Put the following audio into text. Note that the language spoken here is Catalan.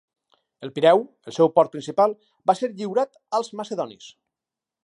El Pireu, el seu port principal, va ser lliurat als macedonis.